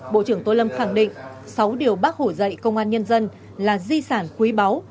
bộ trưởng tô lâm khẳng định sáu điều bác hổ dạy công an nhân dân là di sản quý báu